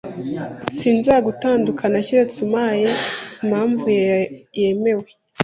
Sinzagutandukana keretse umpaye impamvu yemewe.